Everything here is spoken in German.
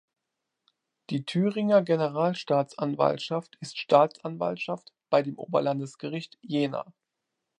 Die Thüringer Generalstaatsanwaltschaft ist Staatsanwaltschaft bei dem Oberlandesgericht Jena.